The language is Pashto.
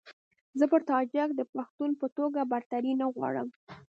زه پر تاجک د پښتون په توګه برتري نه غواړم.